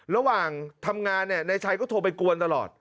ระหว่างทำงานนายชัยก็โทรไปกวนตลอด